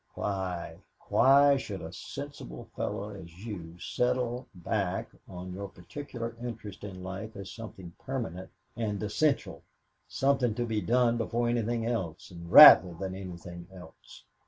"Why, why should as sensible a fellow as you settle back on your particular interest in life as something permanent and essential, something to be done before anything else, and rather than anything else?